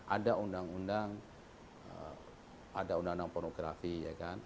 ada undang undang ada undang undang pornografi ya kan